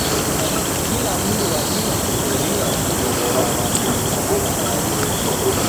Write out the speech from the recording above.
Kila mndu wadima kusoria kuzoghora w'amrika na w'anake.